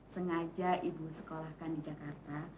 sengaja ibu sekolahkan di jakarta